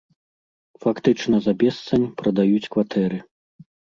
Фактычна за бесцань прадаюць кватэры.